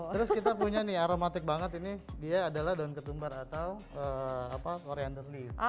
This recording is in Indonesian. terus kita punya nih aromatik banget ini dia adalah daun ketumbar atau korender lead